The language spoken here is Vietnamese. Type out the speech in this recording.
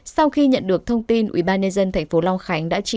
sau khi nhận được thông tin ủy ban nhân dân tp long khánh đã chỉ